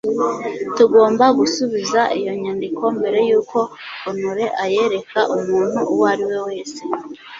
Tugomba gusubiza iyo nyandiko mbere yuko Honore ayereka umuntu uwo ari we wese.